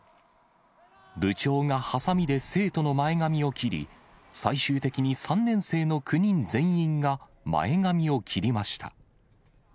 部長がはさみで生徒の前髪を切り、最終的に３年生の９人全員が、前髪を切りました。